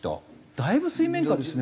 だいぶ水面下ですね。